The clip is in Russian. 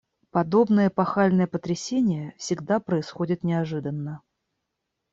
Подобные эпохальные потрясения всегда происходят неожиданно.